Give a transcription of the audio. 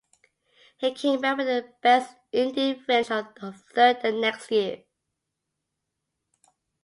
He came back with a best Indy finish of third the next year.